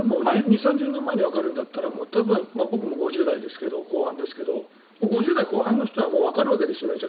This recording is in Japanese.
２０３０年前にわかるんだったら僕も５０代ですが５０代後半の人はわかるわけですよね。